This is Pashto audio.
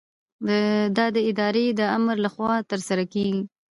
دا د ادارې د آمر له خوا ترسره کیږي.